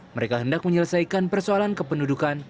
mereka hendak menyelesaikan persoalan kependudukan